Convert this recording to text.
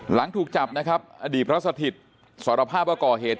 หลังถูกจับนะครับอดีตพระสถิตสารภาพว่าก่อเหตุ